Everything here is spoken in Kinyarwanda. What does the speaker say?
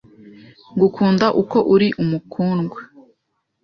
Ngukunda uko uri mukundwa,